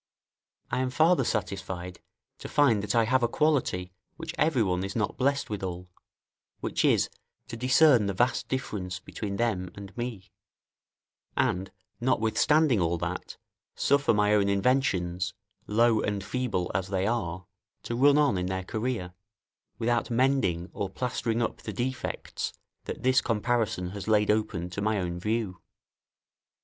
I am farther satisfied to find that I have a quality, which every one is not blessed withal, which is, to discern the vast difference between them and me; and notwithstanding all that, suffer my own inventions, low and feeble as they are, to run on in their career, without mending or plastering up the defects that this comparison has laid open to my own view.